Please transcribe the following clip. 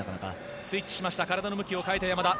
スイッチしました体の向きを変えた山田。